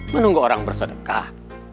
menunggu orang bersedekah